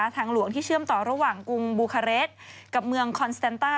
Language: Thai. ทางหลวงที่เชื่อมต่อระหว่างกรุงบูคาเรสกับเมืองคอนสแตนต้า